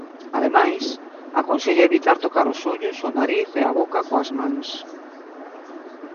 Ademais, aconsella evitar tocar os ollos, o nariz e a boca coas mans.